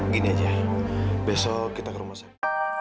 gini aja besok kita ke rumah sakit